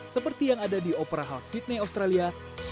seperti yang ada di opera house sydney australia